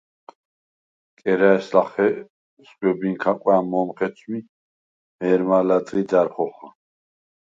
კერა̈ჲს ლახე სგვებინქა კვა̈მ მო̄მ ხეცვმი, მე̄რმა ლა̈დღი და̈რ ხოხა.